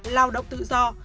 lao động tự do